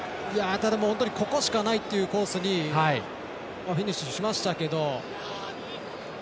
ただ本当にここしかないというコースにフィニッシュしましたけど。